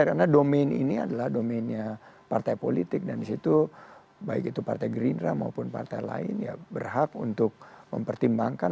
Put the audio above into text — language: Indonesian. karena domain ini adalah domainnya partai politik dan disitu baik itu partai gerindra maupun partai lain ya berhak untuk mempertimbangkan